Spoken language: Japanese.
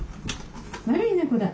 悪い猫だ。